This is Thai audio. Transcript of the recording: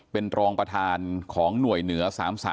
เป็นรองประธานของหน่วยเหนือ๓๓